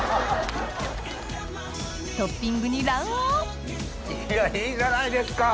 トッピングに卵黄いやいいじゃないですか！